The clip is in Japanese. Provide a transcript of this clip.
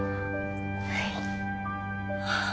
はい。